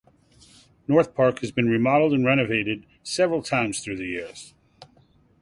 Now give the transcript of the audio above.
NorthPark has been remodeled and renovated several times through the years.